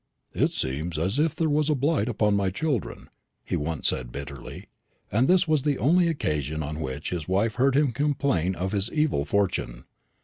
"It seems as if there was a blight upon my children," he once said bitterly; and this was the only occasion on which his wife heard him complain of his evil fortune.